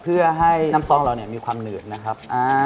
เพื่อให้น้ำซองเรามีความเหนืดนะครับ